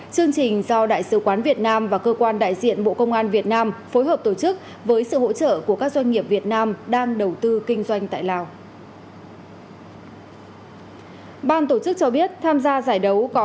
chương trình do đại sứ quán việt nam và cơ quan đại diện bộ công an việt nam phối hợp tổ chức với sự hỗ trợ của các doanh nghiệp việt nam đang đầu tư kinh doanh tại lào